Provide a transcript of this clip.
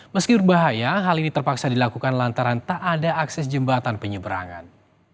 meski berbahaya hal ini terpaksa dilakukan lantaran tak ada akses jembatan penyeberangan